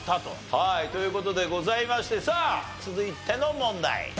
はいという事でございましてさあ続いての問題。